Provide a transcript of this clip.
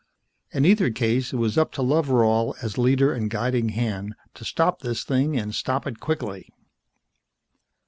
In either case, it was up to Loveral, as leader and guiding hand, to stop this thing and stop it quickly.